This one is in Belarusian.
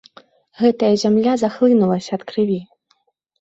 Гэтая зямля захлынулася ад крыві.